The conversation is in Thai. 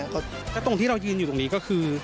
แล้วตรงที่เรายืนอยู่ตรงนี้ก็คือ